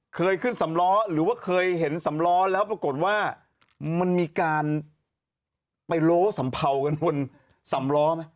เคยขึ้นสำล้อหรือว่าเคยเห็นสำล้อแล้วปรากฏว่ามันมีการไปโล้สัมเภากันบนสำล้อไหม